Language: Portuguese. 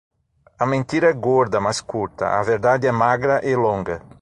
A mentira é gorda, mas curta; A verdade é magra e longa.